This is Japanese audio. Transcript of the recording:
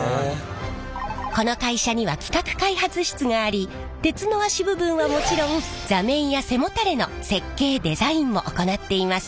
この会社には企画開発室があり鉄の脚部分はもちろん座面や背もたれの設計デザインも行っています。